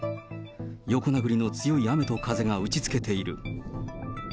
横殴りの強い雨と風が打ちつけている。